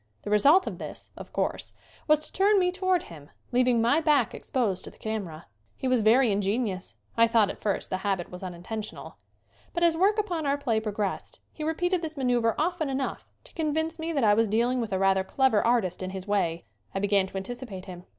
The result of this, of course, was to turn me toward him, leaving my back exposed to the camera. He was very 94 SCREEN ACTING ingenuous. I thought, at first, the habit was unintentional. But as work upon our play progressed he repeated this maneuver often enough to con vince me that I was dealing with a rather clever artist in his way. I began to anticipate him.